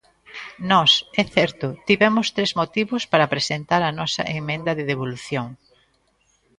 Nós, é certo, tivemos tres motivos para presentar a nosa emenda de devolución.